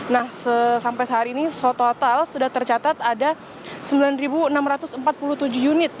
nah sampai sehari ini total sudah tercatat ada sembilan enam ratus empat puluh tujuh unit